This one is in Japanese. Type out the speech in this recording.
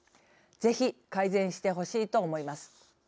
ぜひ改善してほしいと思います。